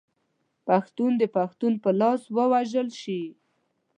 پښتون د پښتون په لاس ووژل شي.